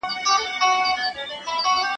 ¬ په لک ئې نه نيسي، په کک ئې ونيسي.